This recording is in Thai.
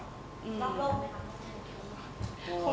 แล้วค่อยตัดสินใจกันดีกว่ากัน